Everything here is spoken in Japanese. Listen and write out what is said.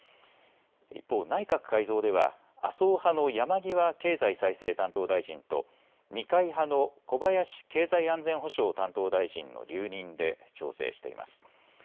一方、内閣改造では麻生派の山際経済再生担当大臣と二階派の小林経済安全保障担当大臣の留任で調整しています。